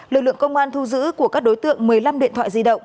lực lượng công an thu giữ của các đối tượng một mươi năm điện thoại di động